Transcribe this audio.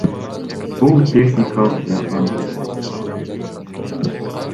Бул техникалык жардам деп аталат.